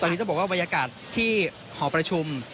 ตอนนี้ต้องบอกว่าบรรยากาศที่หอประชุม